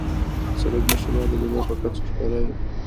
د سړک نښې باید د لید په کچه ښکاره وي.